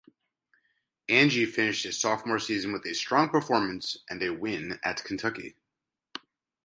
Ainge finished his sophomore season with a strong performance and a win at Kentucky.